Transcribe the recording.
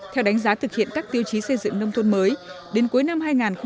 theo đánh giá thực hiện các tiêu chí xây dựng nông thôn mới đến cuối năm hai nghìn một mươi tám